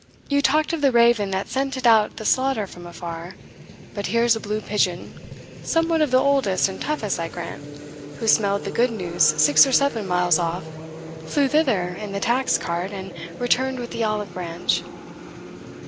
You talked of the raven that scented out the slaughter from afar; but here's a blue pigeon (somewhat of the oldest and toughest, I grant) who smelled the good news six or seven miles off, flew thither in the taxed cart, and returned with the olive branch."